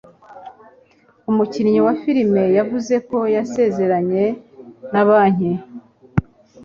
Umukinnyi wa filime yavuze ko yasezeranye na banki